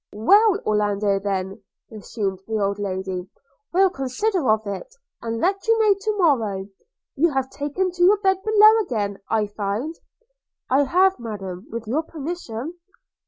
'Well, Orlando, then,' resumed the old lady, 'we'll consider of it, and let you know to morrow. – You have taken to your bed below again, I find?' 'I have, Madam, with your permission.'